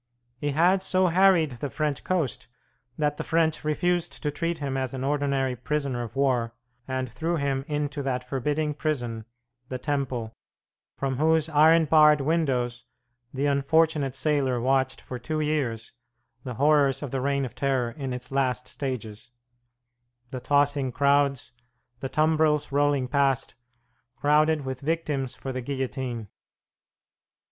He had so harried the French coast that the French refused to treat him as an ordinary prisoner of war, and threw him Into that forbidding prison, the Temple, from whose iron barred windows the unfortunate sailor watched for two years the horrors of the Reign of Terror in its last stages, the tossing crowds, the tumbrils rolling past, crowded with victims for the guillotine.